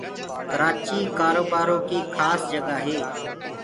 ڪرآچيٚ ڪآروبآروئيٚ کآس جگآ هي